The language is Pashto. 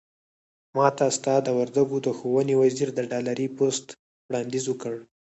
ماته ستا د وردګو د ښوونې وزير د ډالري پست وړانديز وکړ.